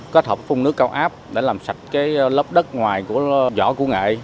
kết hợp phung nước cao áp để làm sạch cái lớp đất ngoài của vỏ củ nghệ